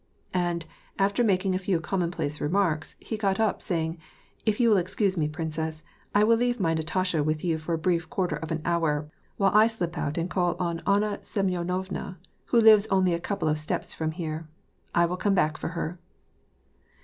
And, after making a few commonplace remarks, he got up, saying, " If you will excuse me, princess, I will leave my Na tasha with you for a brief quarter of an hour, while I slip out and call on Anna Semyonovna, who lives only a couple of steps from. here. I will come back for her."